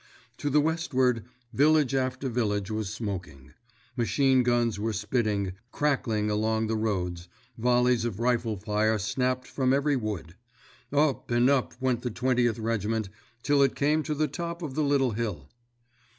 To the westward, village after village was smoking. Machine guns were spitting, crackling along the roads, volleys of rifle fire snapped from every wood. Up and up went the Twentieth Regiment, till it came to the top of the little hill.